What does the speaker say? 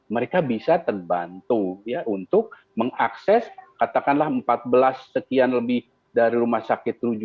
mereka bisa terbantu untuk mengakses katakanlah empat belas sekian lebih dari rumah sakit rujukan